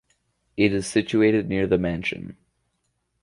It is situated near The Mansion.